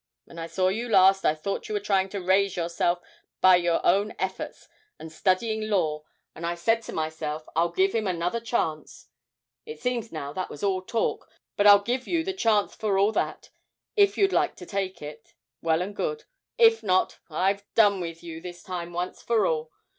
When I saw you last, I thought you were trying to raise yourself by your own efforts and studying law, and I said to myself, "I'll give him another chance." It seems now that was all talk; but I'll give you the chance for all that. If you like to take it, well and good; if not, I've done with you this time once for all.